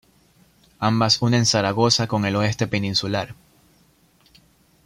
Ambas unen Zaragoza con el oeste peninsular.